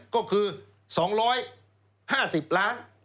ก็คือ๒๕๐ล้าน